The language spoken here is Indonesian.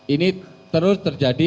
ini terus terjadi